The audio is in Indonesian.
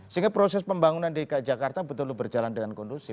sehingga proses pembangunan dki jakarta betul betul berjalan dengan kondusif